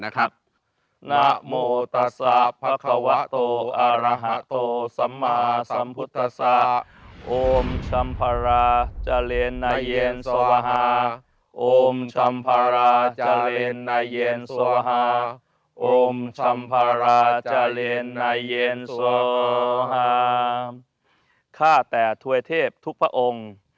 ข้าแต่ทุยเทพธุพะองค์